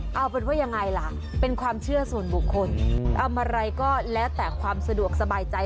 เอาเป็นว่ายังไงล่ะเป็นความเชื่อส่วนบุคคลทำอะไรก็แล้วแต่ความสะดวกสบายใจ